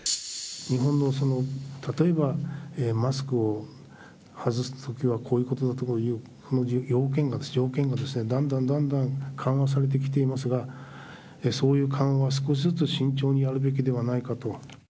日本の、例えばマスクを外すときは、こういうときだという条件がだんだんだんだん緩和されてきていますが、そういう緩和は少しずつ慎重にやるべきではないかと。